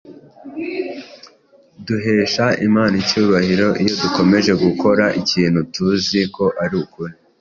Duhesha Imana icyubahiro iyo dukomeje gukora ikintu tuzi ko ari ukuri